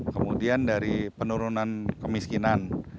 kemudian dari penurunan kemiskinan